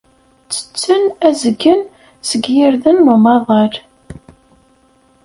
Ttetten azgen seg yirden n umaḍal.